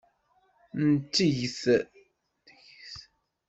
Nteg-t.